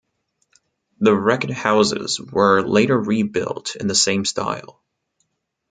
The wrecked houses were later rebuilt in the same style.